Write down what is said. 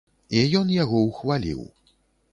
І ён яго ўхваліў.